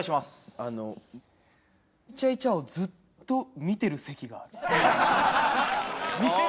あのイチャイチャをずっと見てる席がある。